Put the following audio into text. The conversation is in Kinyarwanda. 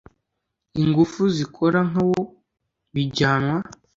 Ingufu zikora nka wo bijyanwa